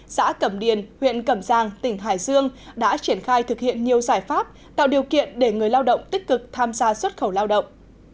xã cẩm điền huyện cẩm giang tỉnh hải dương đã triển khai thực hiện nhiều giải pháp tạo điều kiện để người lao động tích cực tham gia xuất khẩu lao động